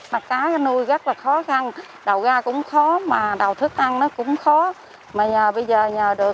mặt cá nuôi rất là khó khăn đầu ra cũng khó mà đầu thức ăn nó cũng khó mà nhờ bây giờ nhờ được